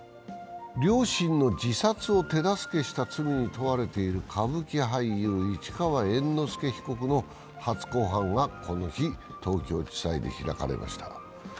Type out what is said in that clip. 両親の自殺を手助けした罪の問われている歌舞伎俳優・市川猿之助被告の初公判がこの日、東京地裁で開かれました。